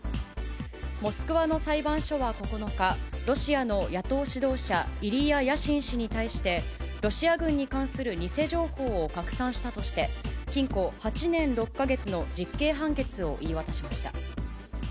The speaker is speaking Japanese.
モスクワの裁判所は９日、ロシアの野党指導者、イリヤ・ヤシン氏に対して、ロシア軍に関する偽情報を拡散したとして、禁錮８年６か月の実刑判決を言い渡しました。